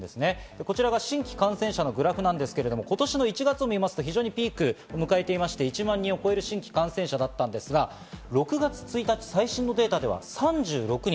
こちらが新規感染者のグラフなんですけど、今年の１月を見ますと、ピークを迎えていまして、１万人を超える新規感染者だったんですが、６月１日の最新データでは３６人。